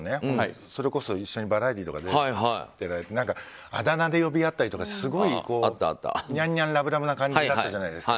それこそ一緒にバラエティーとか出ていてあだ名で呼び合ったりとかすごいニャンニャン、ラブラブな感じだったじゃないですか。